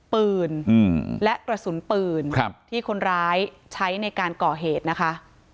ปืนและกระสุนปืนที่คนร้ายใช้ในการก่อเหตุนะคะ